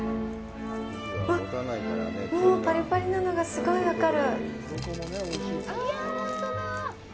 わっ、もうパリパリなのがすごい分かる。